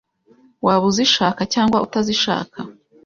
waba uzishaka cyangwa utazishaka